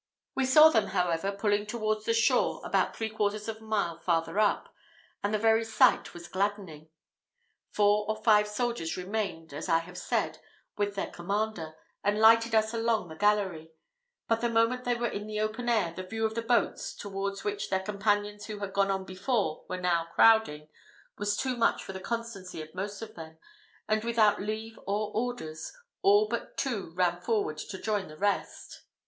We saw them, however, pulling towards the shore about three quarters of a mile farther up, and the very sight was gladdening. Four or five soldiers remained, as I have said, with their commander, and lighted us along the gallery; but the moment they were in the open air, the view of the boats, towards which their companions who had gone on before were now crowding, was too much for the constancy of most of them, and without leave or orders, all but two ran forward to join the rest.